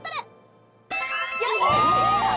やった！